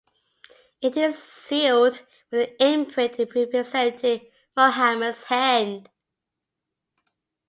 It is sealed with an imprint representing Muhammad's hand.